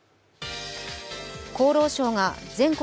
厚労省が全国